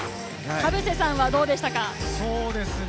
田臥さんはどうでしたか？